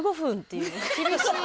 厳しい！